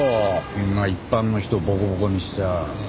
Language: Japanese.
こんな一般の人ボコボコにしちゃ。